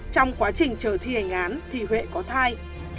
trong quá trình chờ thi hành án thì huệ có thai